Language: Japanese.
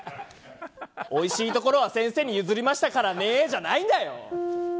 おいしいところは先生に譲りましたからねじゃないんだよ！